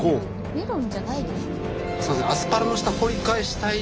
メロンじゃないでしょ？